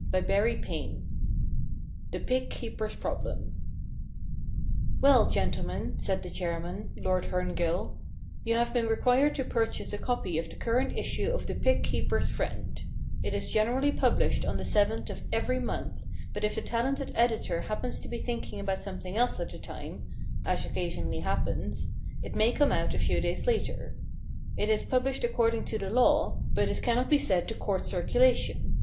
XII THE PIG KEEPER^S PROBLEM * Well, gentlemen/ said the chairman, Lord Herngill, * you have been required to purchase a copy of the current issue of The Pig Keepers' Friend, It is generally published on the seventh of every month, but if the talented editor happens to be thinking about some thing else at the time— as occasionally happens — it may come out a few days later. It is published according to the law, but it cannot be said to court circulation.